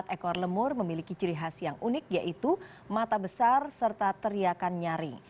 empat ekor lemur memiliki ciri khas yang unik yaitu mata besar serta teriakan nyaring